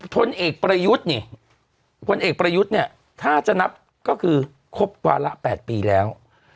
ถนเอกประยุทธ์เนี่ยถ้าจะนับก็คือครบตรวาละ๘ปีแล้ว